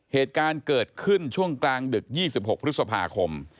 เหตุการณ์เกิดขึ้นช่วงกลางดึก๒๖พฤษภาคม